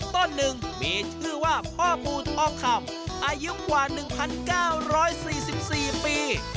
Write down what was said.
ต้นหนึ่งมีชื่อว่าพ่อปูทองคำอายุกว่า๑๙๔๔ปี